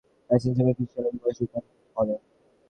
চালকের নেই কোনো ড্রাইভিং লাইসেন্স এবং কিছু চালকের বয়সও খুব কম।